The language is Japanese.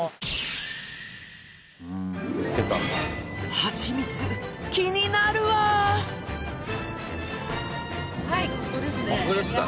ハチミツ気になるわここですか。